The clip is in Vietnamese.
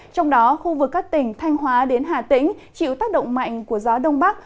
trong đó khu vực các tỉnh thanh hóa đến hà tĩnh chịu tác động mạnh của gió đông bắc